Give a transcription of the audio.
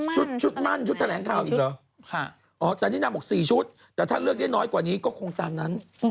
ชุดมั่นชุดแถลงข่าวอีกเหรอแต่นี่นางบอก๔ชุดแต่ถ้าเลือกได้น้อยกว่านี้ก็คงตามนั้น